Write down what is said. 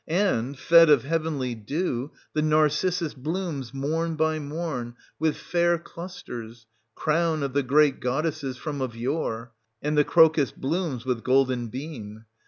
ant.i. And, fed of heavenly dew, the narcissus blooms morn by morn with fair clusters, crown of the Great Goddesses from of yore ; and the crocus blooms with golden beam.